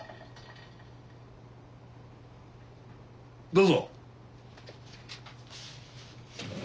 ・どうぞ。